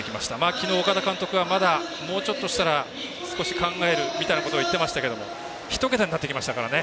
昨日、岡田監督はまだ、もうちょっとしたら少し考えるみたいなことを言ってましたけど１桁になってきましたからね。